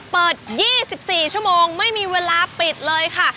เปิด๒๔ชั่วโมงไม่มีเวลาปิดเลยค่ะ